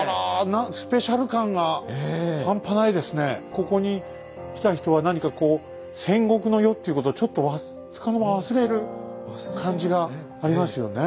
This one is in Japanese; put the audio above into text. ここに来た人は何かこう戦国の世っていうことをちょっとつかの間忘れる感じがありますよね。